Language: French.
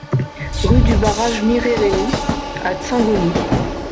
RUE DU BARRAGE MIRERENI à Tsingoni